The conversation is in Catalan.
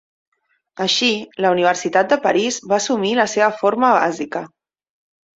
Així, la Universitat de París va assumir la seva forma bàsica.